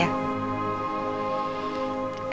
ya udah makasih ya